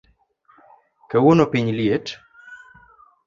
Kawuono piny liet